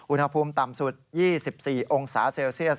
อุณหภูมิต่ำสุด๒๔องศาเซลเซียส